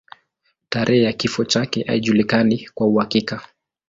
Tarehe ya kifo chake haijulikani kwa uhakika.